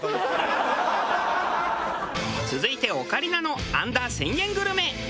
続いてオカリナのアンダー１０００円グルメ。